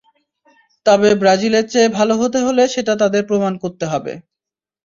তবে ব্রাজিলের চেয়ে ভালো হতে হলে সেটা তাদের প্রমাণ করতে হবে।